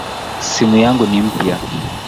Simu yangu ni mpya.